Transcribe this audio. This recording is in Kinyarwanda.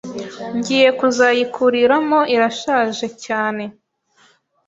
ngiye kuzayikuriramo irashaje cyane”